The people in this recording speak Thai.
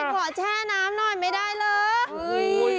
ขอแช่น้ำหน่อยไม่ได้เลย